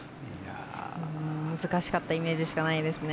難しかったイメージしかないですね。